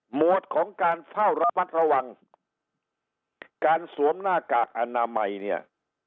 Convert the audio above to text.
หมดของการเฝ้าระมัดระวังการสวมหน้ากากอนามัยเนี่ย